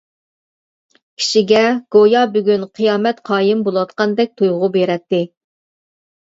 كىشىگە گويا بۈگۈن قىيامەت قايىم بولۇۋاتقاندەك تۇيغۇ بېرەتتى.